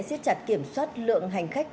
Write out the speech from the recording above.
giết chặt kiểm soát lượng hành khách